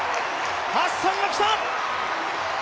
ハッサンがきた！